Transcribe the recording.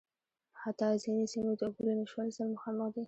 حتٰی ځينې سیمې د اوبو له نشتوالي سره مخامخ دي.